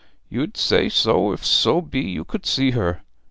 You'd say so if so be you could see her!